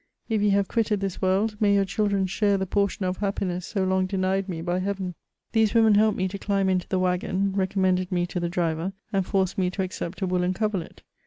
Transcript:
If ye have quitted ^s wond, may your children share the portion of ha|^[anes8 so long denied me hj Hearen I Hiese women helped me to dimb into the waggon, reeom mended me to the driver, and forced me to accept a woollen coverlet.